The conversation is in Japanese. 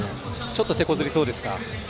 ちょっとてこずりそうですか？